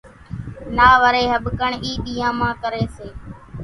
نا وري ۿٻڪڻ اِي ۮيان مان ڪري سي۔